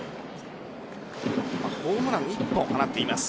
ホームラン１本を放っています。